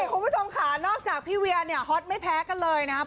คุณผู้ชมค่ะนอกจากพี่เวียเนี่ยฮอตไม่แพ้กันเลยนะครับ